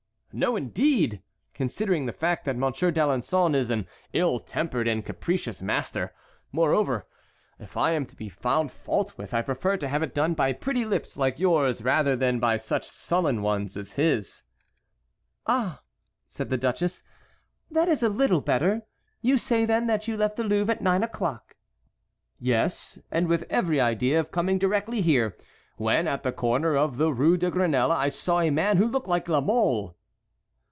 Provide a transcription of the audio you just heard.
"No, indeed! considering the fact that Monsieur d'Alençon is an ill tempered and capricious master; moreover, if I am to be found fault with, I prefer to have it done by pretty lips like yours rather than by such sullen ones as his." "Ah!" said the duchess, "that is a little better. You say, then, that you left the Louvre at nine o'clock." "Yes, and with every idea of coming directly here, when at the corner of the Rue de Grenelle I saw a man who looked like La Mole."